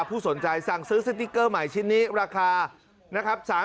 ผู้สนใจสั่งซื้อสติ๊กเกอร์ใหม่ชิ้นนี้ราคานะครับ